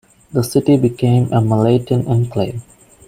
The city became a Malaitan enclave.